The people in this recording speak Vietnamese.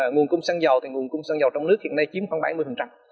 nguồn cung xăng dầu thì nguồn cung xăng dầu trong nước hiện nay chiếm khoảng bảy mươi